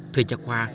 thời gian qua